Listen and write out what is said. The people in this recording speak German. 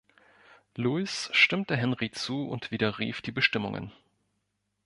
Louis stimmte Henry zu und widerrief die Bestimmungen.